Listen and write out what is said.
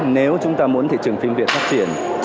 nếu chúng ta muốn thị trường phim việt phát triển